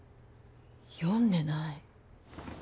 読んでない？